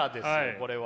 これは。